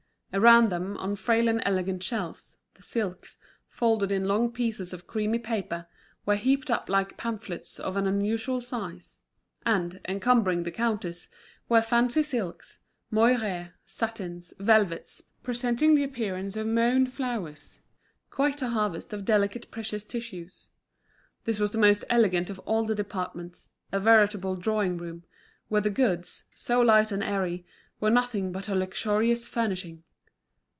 Around them, on frail and elegant shelves, the silks, folded in long pieces of creamy paper, were heaped up like pamphlets of an unusual size; and, encumbering the counters, were fancy silks, moires, satins, velvets, presenting the appearance of mown flowers, quite a harvest of delicate precious tissues. This was the most elegant of all the departments, a veritable drawing room, where the goods, so light and airy, were nothing but a luxurious furnishing.